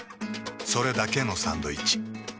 それだけのサンドイッチ。